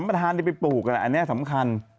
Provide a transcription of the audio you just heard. สัมปัธานได้ไปปลูกก็สำคัญ